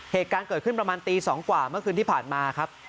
เหตุการณ์เกิดขึ้นประมาณตี๒กว่าเมื่อคืนที่ผ่านมาครับ